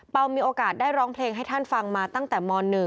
มีโอกาสได้ร้องเพลงให้ท่านฟังมาตั้งแต่ม๑